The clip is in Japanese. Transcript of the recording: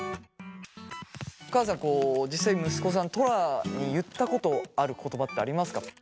お母さん実際息子さんトラに言ったことある言葉ってありますか？